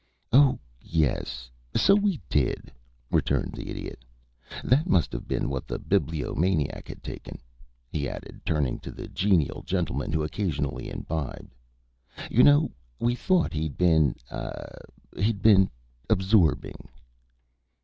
"Oh yes, so we did," returned the Idiot. "That must have been what the Bibliomaniac had taken," he added, turning to the genial gentleman who occasionally imbibed. "You know, we thought he'd been ah he'd been absorbing."